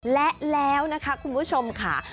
และแล้วนะคะคุณผู้ชมค่ะ